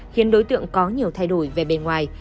khiến đối tượng có nhiều thay đổi về bề ngoài